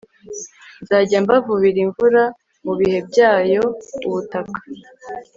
nzajya mbavubira imvura mu bihe byayo ubutaka